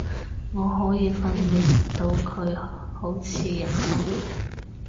我可以訓練到佢好似人噉